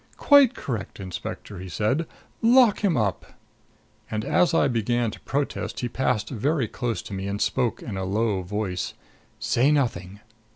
"Quite correct, Inspector," he said. "Lock him up!" And as I began to protest he passed very close to me and spoke in a low voice: "Say nothing.